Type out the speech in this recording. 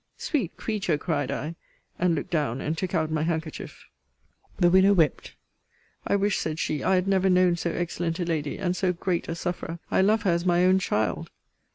Sweet creature! cried I; and looked down, and took out my handkerchief. The widow wept. I wish, said she, I had never known so excellent a lady, and so great a sufferer! I love her as my own child!